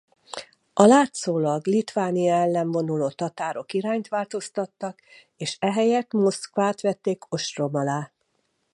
A látszólag Litvánia ellen vonuló tatárok irányt változtattak és ehelyett Moszkvát vették ostrom alá.